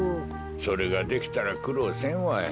それができたらくろうせんわい。